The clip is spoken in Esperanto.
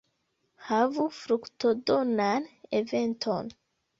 Havu fruktodonan eventon!